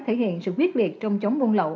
thể hiện sự viết liệt trong chống buôn lậu